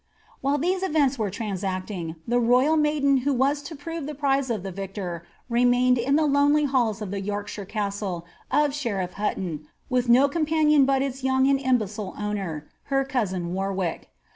While these events were transacting, the royal maiden who was to prove the prize of the victor remained in the lonely halls of the York shire castle of SheriflT Hutton, with no companion but its young and im becile owner,' her cousin Warwick.